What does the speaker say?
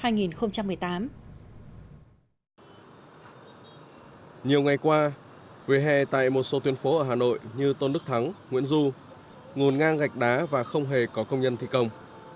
nhiều ngày qua về hè tại một số tuyến phố ở hà nội như tôn đức thắng nguyễn du ngồn ngang gạch đá và không hề có công nhân thi công